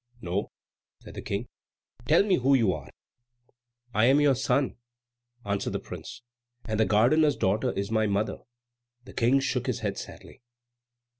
"No," said the King. "Tell me who you are." "I am your son," answered the prince, "and the gardener's daughter is my mother." The King shook his head sadly.